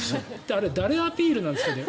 あれ誰アピールなんですかね？